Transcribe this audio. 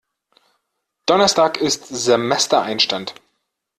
Donnerstag ist Semestereinstand.